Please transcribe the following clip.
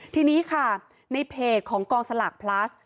ทีนี้ค่ะในเพจของกองสลากพลัส